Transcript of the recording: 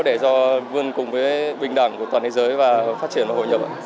để cho vươn cùng với bình đẳng của toàn thế giới và phát triển và hội nhập